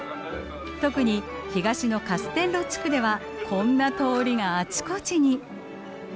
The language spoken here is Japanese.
特に東のカステッロ地区ではこんな通りがあちこちに。